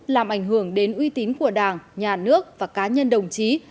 làm ảnh hưởng đến uy tín của đảng nhà nước và cá nhân đồng chí